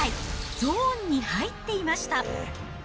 ゾーンに入っていました。